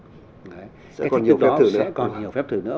cái thách thức đó sẽ còn nhiều phép thử nữa